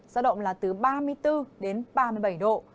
giao động là từ ba mươi bốn đến ba mươi bảy độ